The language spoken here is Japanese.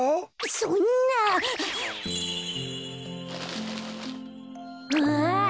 そんな！わ。